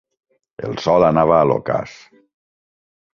El Sol anava a l'ocàs.